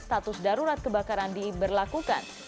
status darurat kebakaran diberlakukan